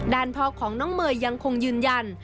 พ่อของน้องเมย์ยังคงยืนยัน